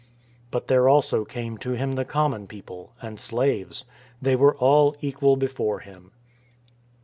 But there also came to him the common people — and slaves. They were all equal before him.